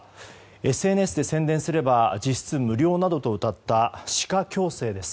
ＳＮＳで宣伝すれば実質無料などとうたった歯科矯正です。